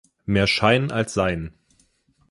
Mehr Schein als Sein.